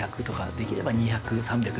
できれば、２００、３００